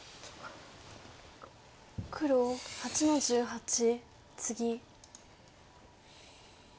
黒８の十八ツギ。